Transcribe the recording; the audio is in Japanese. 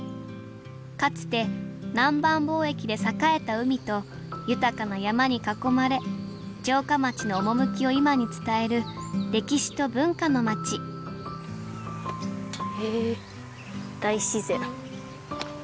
かつて南蛮貿易で栄えた海と豊かな山に囲まれ城下町の趣を今に伝える歴史と文化の町へえ大自然。